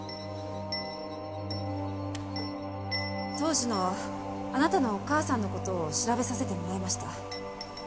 当時のあなたのお母さんの事を調べさせてもらいました。